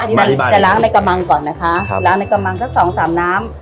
อันนี้มันจะล้างในกระมังก่อนนะคะครับล้างในกระมังสักสองสามน้ำ